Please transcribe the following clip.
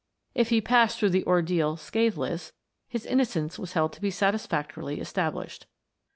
If he passed through the ordeal scathless, his innocence was held to be satisfactorily established.